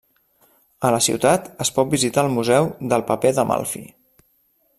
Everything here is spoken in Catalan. A la ciutat es pot visitar el Museu del Paper d'Amalfi.